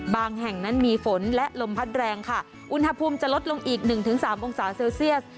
แห่งนั้นมีฝนและลมพัดแรงค่ะอุณหภูมิจะลดลงอีกหนึ่งสามองศาเซลเซียส